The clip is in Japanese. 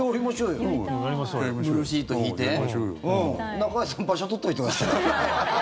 中居さん場所取っといてください。